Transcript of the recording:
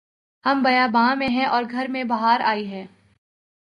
ہم بیاباں میں ہیں اور گھر میں بہار آئی ہے